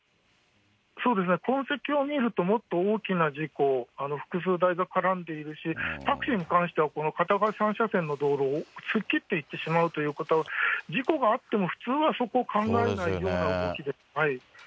そうですね、痕跡を見ると、もっと大きな事故、複数台が絡んでいるし、タクシーに関しては、この片側３車線の道路を突っ切っていってしまうということは、事故があっても、普通はそこを考えないような動きです。